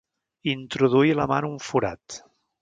Introduir la mà en un forat.